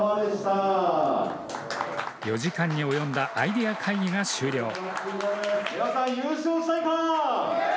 ４時間に及んだアイデア会議が終了。